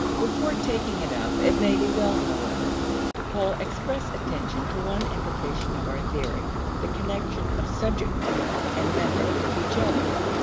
Before taking it up, it may be well, however, to call express attention to one implication of our theory; the connection of subject matter and method with each other.